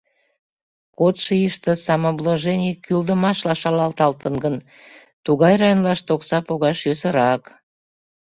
Кодшо ийыште самообложений кӱлдымашла шалаталтын гын, тугай районлаште окса погаш йӧсырак.